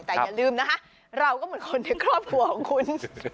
แต่อย่าลืมนะคะเราก็เหมือนคนในครอบครัวของคุณ